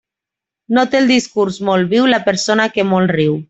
No té el discurs molt viu la persona que molt riu.